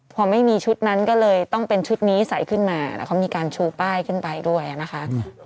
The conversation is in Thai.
พอไม่มีชุดนั้นก็เลยต้องเป็นชุดนี้ใส่ขึ้นมาแล้วเขามีการชูป้ายขึ้นไปด้วยนะคะ